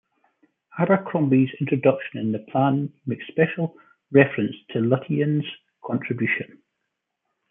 Abercrombie's introduction in the plan makes special reference to Lutyens' contribution.